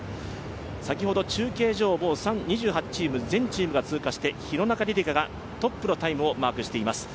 先ほど中継所を２８全チームが通過して、廣中璃梨佳がトップのタイムをマークしています。